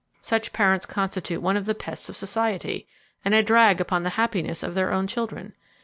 Such parents constitute one of the pests of society, and a drag upon the happiness of their own children!